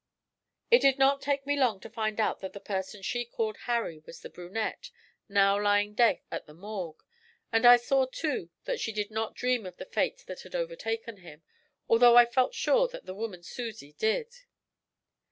It did not take me long to find out that the person she called Harry was the brunette, now lying dead at the Morgue, and I saw, too, that she did not dream of the fate that had overtaken him, although I felt sure that the woman Susie did.